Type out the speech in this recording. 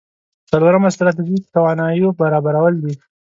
څلورمه ستراتيژي تواناییو برابرول دي.